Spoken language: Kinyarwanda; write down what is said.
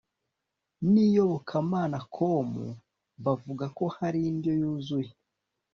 n iyobokamanacom bavuga ko hari indyo yuzuye